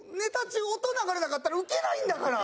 中音流れなかったらウケないんだから！」